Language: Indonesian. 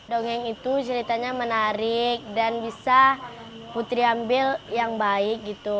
dongeng itu ceritanya menarik dan bisa putri ambil yang baik gitu